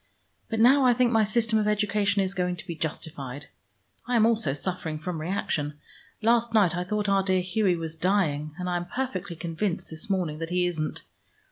But now I think my system of education is going to be justified. I am also suffering from reaction. Last night I thought our dear Hughie was dying, and I am perfectly convinced this morning that he isn't.